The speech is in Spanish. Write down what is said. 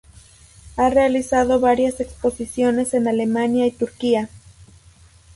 Ha realizado varias exposiciones en Alemania y Turquía.